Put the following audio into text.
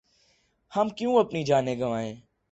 ہم کیوں اپنی جانیں گنوائیں ۔